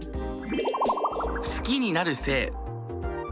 好きになる性。